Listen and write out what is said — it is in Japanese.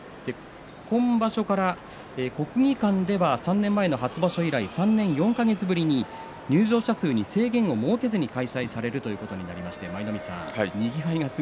今場所からは国技館では３年前の初場所以来３年４か月ぶりに入場者数に制限を設けずに開催されることになりました。